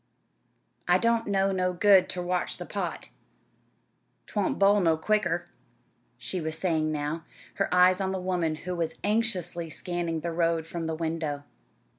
"It don't do no good ter watch the pot 'twon't b'ile no quicker," she was saying now, her eyes on the woman who was anxiously scanning the road from the window.